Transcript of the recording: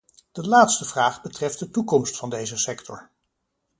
De laatste vraag betreft de toekomst van deze sector.